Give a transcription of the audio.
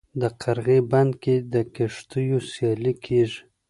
د قرغې بند کې د کښتیو سیالي کیږي.